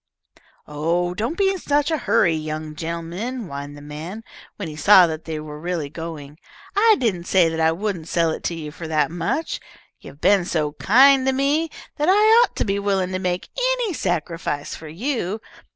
"Oh, don't be in such a hurry, young gen'lemen," whined the man, when he saw that they were really going. "I didn't say that I wouldn't sell it to you for that much. You've been so kind to me that I ought to be willing to make any sacrifice for you.